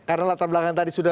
karena latar belakang tadi sudah